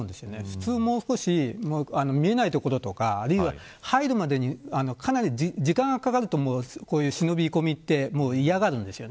普通、もう少し見えない所とか入るまでにかなり時間がかかると忍び込みって、嫌がるんです。